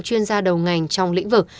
chuyên gia đầu ngành trong lĩnh vực